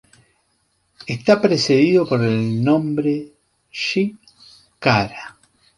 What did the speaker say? Está precedido por el nombre Se...kara.